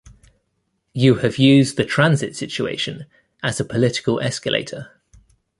You have used the transit situation as a political escalator.